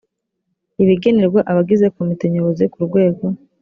ibigenerwa abagize komite nyobozi ku rwego